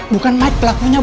bukan mike pelakunya bu